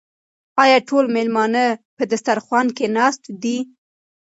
آیا ټول مېلمانه په دسترخوان کې ناست دي؟